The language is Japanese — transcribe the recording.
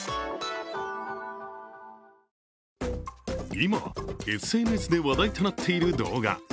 今、ＳＮＳで話題となっている動画。